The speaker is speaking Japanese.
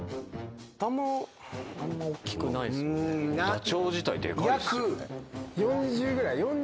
ダチョウ自体でかいっすよね。